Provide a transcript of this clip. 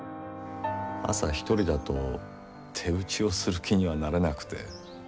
朝一人だと手打ちをする気にはなれなくて。